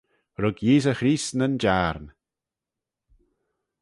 Rug Yeesey Chreest nyn Jiarn.